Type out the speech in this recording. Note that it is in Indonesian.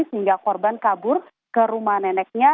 sehingga korban kabur ke rumah neneknya